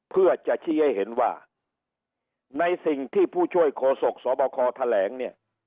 เพื่อจะชี้ให้เห็นว่าในสิ่งที่ผู้ช่วยโฆษกสบคแถลงเนี่ย